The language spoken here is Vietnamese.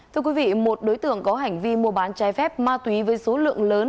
thưa quý vị một đối tượng có hành vi mua bán trái phép ma túy với số lượng lớn